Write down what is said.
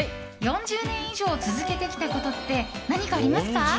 ４０年以上続けてきたことって何かありますか？